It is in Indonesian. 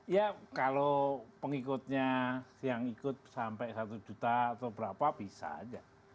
ya kalau pengikutnya yang ikut sampai satu juta atau berapa bisa aja